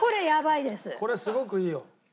これすごくいいよ。